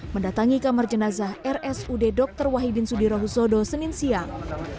mendatangi kamar jenazah rsud dr wahidin sudirohusodo senin siang